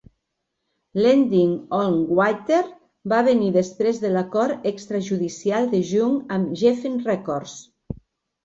"Landing on Water" va venir després de l'acord extrajudicial de Young amb Geffen Records.